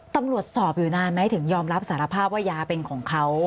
ตำรวจสอบอยู่นานไหมถึงยอมรับสารภาพว่ายาเป็นของเขา